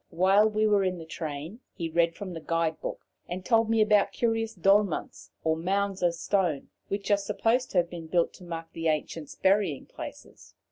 While we were in the train he read from the guide book, and told me about curious "dolmens," or mounds of stone, which are supposed to have been built to mark the ancients' burying places.